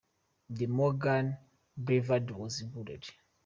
Morgan Boulevard was included.